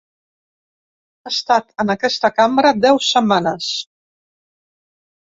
He estat en aquesta cambra deu setmanes.